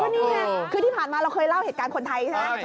นี่ไงคือที่ผ่านมาเราเคยเล่าเหตุการณ์คนไทยใช่ไหม